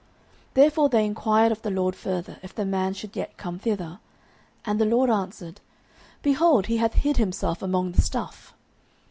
09:010:022 Therefore they enquired of the LORD further, if the man should yet come thither. And the LORD answered, Behold he hath hid himself among the stuff.